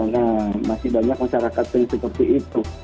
nah masih banyak masyarakat yang seperti itu